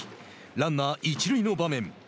ランナー一塁の場面。